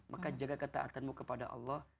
maka jaga ketaatanmu kepada allah